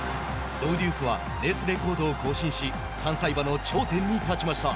ドウデュースはレースレコードを更新し３歳馬の頂点に立ちました。